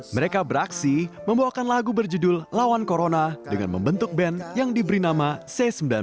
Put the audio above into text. mereka beraksi membawakan lagu berjudul lawan corona dengan membentuk band yang diberi nama c sembilan belas